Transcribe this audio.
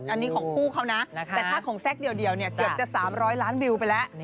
อันนี้ของคู่เขานะแต่ถ้าของแซคเดียวเนี่ยเกือบจะ๓๐๐ล้านวิวไปแล้ว